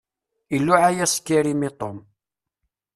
Iluɛa-yas Karim i Tom.